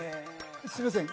すいません